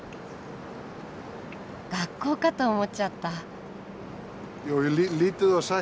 学校かと思っちゃった。